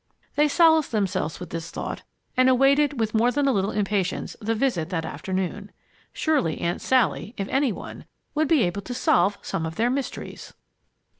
They solaced themselves with this thought, and awaited with more than a little impatience the visit that afternoon. Surely Aunt Sally, if any one, would be able to solve some of their mysteries!